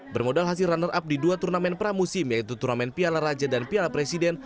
bermodal hasil runner up di dua turnamen pramusim yaitu turnamen piala raja dan piala presiden